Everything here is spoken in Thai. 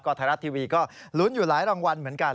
ไทยรัฐทีวีก็ลุ้นอยู่หลายรางวัลเหมือนกัน